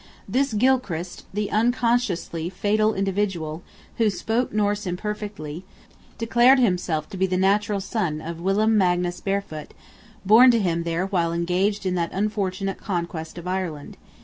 This Gylle Krist, the unconsciously fatal individual, who "spoke Norse imperfectly," declared himself to be the natural son of whilom Magnus Barefoot; born to him there while engaged in that unfortunate "Conquest of Ireland."